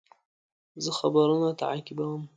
زه خبرونه تعقیبوم.